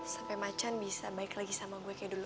sampai macan bisa baik lagi sama gue kayak dulu